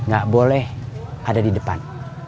gak boleh ada di depan